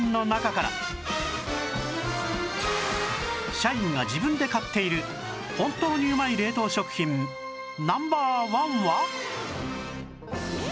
社員が自分で買っている本当にうまい冷凍食品 Ｎｏ．１ は？